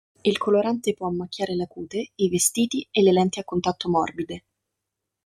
Il colorante può macchiare la cute, i vestiti e le lenti a contatto morbide.